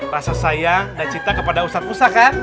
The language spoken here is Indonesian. rasa sayang dan cinta kepada ustadz mursa kan